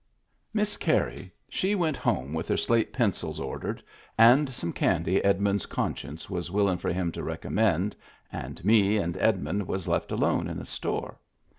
Miss Carey she went home with her slate pencils ordered and some candy Edmund's conscience was willin' for him to recommend, and me and Edmund was left alone in the store.